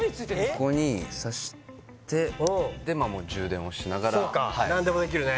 ここに挿してでまあもう充電をしながらそうか何でもできるね